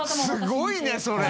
すごいねそれ！